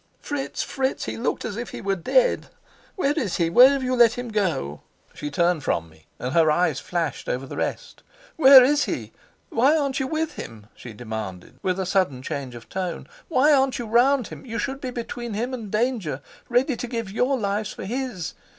Fritz, Fritz, he looked as if he were dead! Where is he? Where have you let him go?" She turned from me and her eyes flashed over the rest. "Where is he? Why aren't you with him?" she demanded, with a sudden change of tone; "why aren't you round him? You should be between him and danger, ready to give your lives for his.